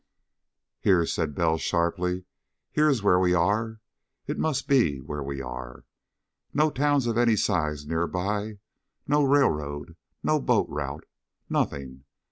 "Here," said Bell sharply. "Here is where we are. It must be where we are! No towns of any size nearby. No railroad. No boat route. Nothing!